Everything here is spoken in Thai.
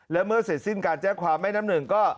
และเมื่อเสร็จสิ้นการแจ้งความแม่น้ำหนึ่งก็